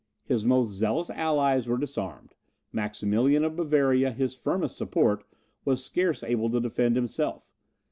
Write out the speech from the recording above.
His most zealous allies were disarmed; Maximilian of Bavaria, his firmest support, was scarce able to defend himself.